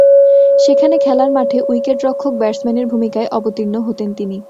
সেখানে খেলার মাঠে উইকেটরক্ষক-ব্যাটসম্যানের ভূমিকায় অবতীর্ণ হতেন তিনি।